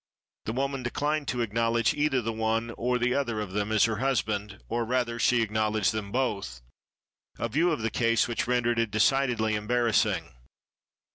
The woman declined to acknowledge either the one or the other of them as her husband, or, rather, she ac knowledged them both — a view of the case which ren dered it decidedly embarrassing.